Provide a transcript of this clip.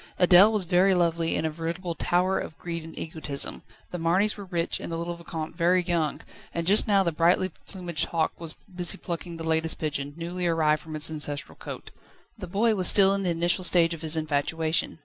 Adèle was very lovely and a veritable tower of greed and egotism. The Marnys were rich and the little Vicomte very young, and just now the brightly plumaged hawk was busy plucking the latest pigeon, newly arrived from its ancestral cote. The boy was still in the initial stage of his infatuation.